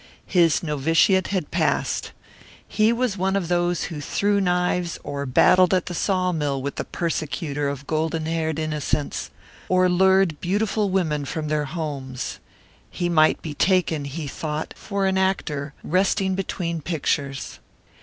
His novitiate had passed. He was one of those who threw knives or battled at the sawmill with the persecuter of golden haired innocence, or lured beautiful women from their homes. He might be taken, he thought, for an actor resting between pictures.